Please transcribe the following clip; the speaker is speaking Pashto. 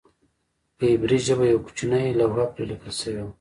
په عبري ژبه یوه کوچنۍ لوحه پرې لیکل شوې وه.